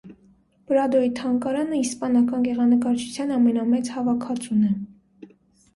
Պրադոյի թանգարանը իսպանական գեղանկարչության ամենամեծ հավաքածուն է։